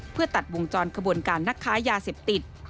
เพื่อตัดวงจรขบวนการนักค้ายาเสพติด